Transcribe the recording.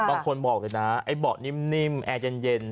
บางคนบอกนะบอกนิ่มแอร์เย็น